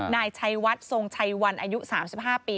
นายชัยวัดทรงชัยวันอายุ๓๕ปี